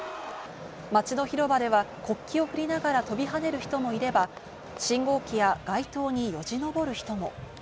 街の広場では国旗を振りながら飛び跳ねる人もいれば、信号機や街頭によじ登る人も。